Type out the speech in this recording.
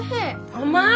甘い！